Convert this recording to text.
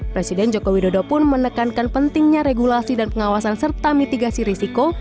presiden joko widodo pun menekankan pentingnya regulasi dan pengawasan serta mitigasi risiko